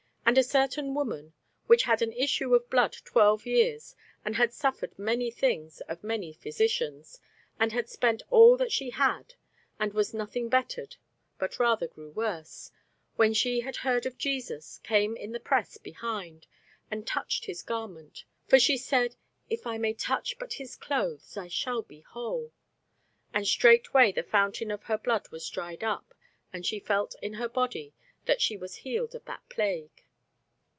And a certain woman, which had an issue of blood twelve years, and had suffered many things of many physicians, and had spent all that she had, and was nothing bettered, but rather grew worse, when she had heard of Jesus, came in the press behind, and touched his garment. For she said, If I may touch but his clothes, I shall be whole. And straightway the fountain of her blood was dried up; and she felt in her body that she was healed of that plague.